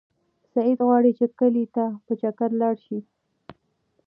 سعید غواړي چې کلي ته په چکر لاړ شي.